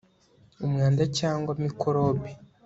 umwanda cyangwa mikorobe